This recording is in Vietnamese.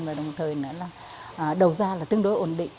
và đồng thời nữa là đầu ra là tương đối ổn định